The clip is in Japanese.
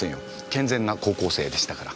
健全な高校生でしたから。